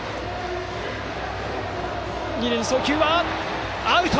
二塁送球はアウト！